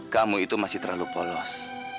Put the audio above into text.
kamu itu masih terlalu polos